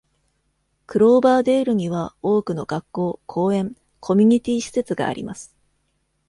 クローバーデールには多くの学校、公園、コミュニティ施設があります。